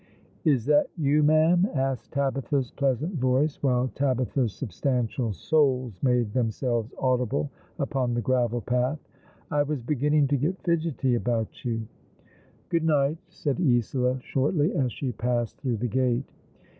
" Is that you, ma'am ?" asked Tabitha's pleasant voice, while Tabitha's substantial soles made themselves audible upon the gravel path. "I was beginning to get fidgety about you." " Good night," said Isola, shortly, as she passed through the gate.